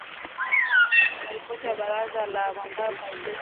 Ripoti ya Baraza la ambayo gazeti la Afrika mashariki